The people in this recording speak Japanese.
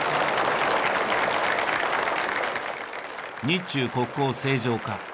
日中国交正常化。